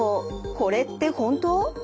これって本当？